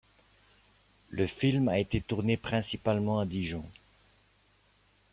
Le film a été tourné principalement à Dijon.